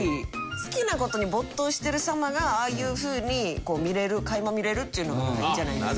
好きな事に没頭してる様がああいうふうに見れる垣間見れるっていうのがいいんじゃないんですか？